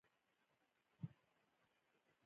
• د ساه اخيستلو لپاره کښېنه.